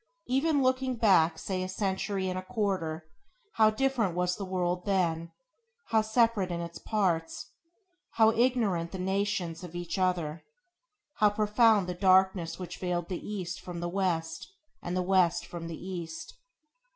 Even looking back say a century and a quarter, how different was the world then; how separated in its parts; how ignorant the nations of each other; how [Page 3] profound the darkness which veiled the East from the West and the West from the East